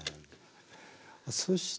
そして。